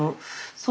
そう。